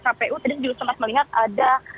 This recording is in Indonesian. kpu tadi juga sempat melihat ada